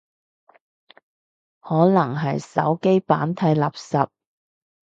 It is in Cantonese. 可能係手機版太垃圾